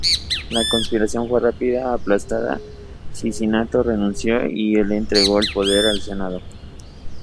La conspiración fue rápidamente aplastada, Cincinato renunció y entregó el poder al Senado.